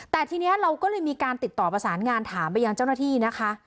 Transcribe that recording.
แต่ทีนี้เราก็เลยมีการติดต่อประสานงานถามไปยังเจ้าหน้าที่นะคะ